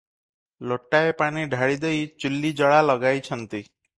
ଲୋଟାଏ ପାଣି ଢାଳିଦେଇ ଚୁଲ୍ଲୀ ଜଳା ଲଗାଇଛନ୍ତି ।